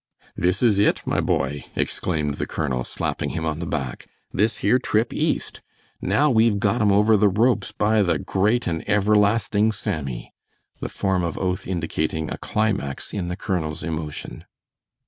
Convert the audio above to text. "This is it, my boy!" exclaimed the colonel, slapping him on the back. "This here trip East. Now we've got 'em over the ropes, by the great and everlasting Sammy!" the form of oath indicating a climax in the colonel's emotion.